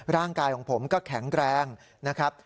ร่างกายของผมก็แข็งแรงนะครับ